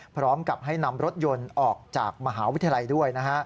พร้อมกับให้นำรถยนต์ออกจากมหาวิทยาลัยด้วยนะฮะ